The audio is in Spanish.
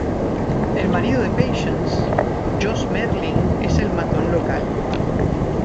El marido de Patience, Joss Merlyn, es el matón local.